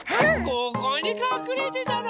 ここにかくれてたの！